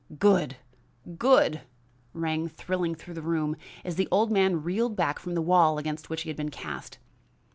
"Good! Good!" rang thrilling through the room, as the old man reeled back from the wall against which he had been cast.